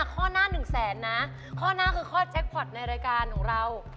ข้อหน้าหนึ่งแสนนะข้อหน้าคือข้อแจ็คพอร์ตในรายการของเรา